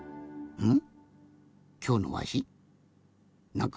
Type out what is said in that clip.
うん。